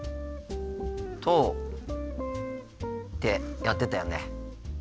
とってやってたよね。